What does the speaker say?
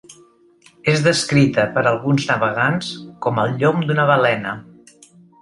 És descrita per alguns navegants com el llom d'una balena.